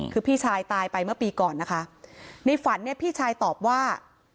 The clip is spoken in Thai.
คือพี่ชายตายไปเมื่อปีก่อนนะคะในฝันเนี่ยพี่ชายตอบว่า